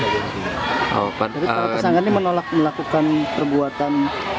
jadi para pesanggan ini menolak melakukan perbuatan